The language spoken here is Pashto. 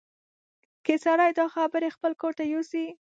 که سړی دا خبرې خپل ګور ته یوسي.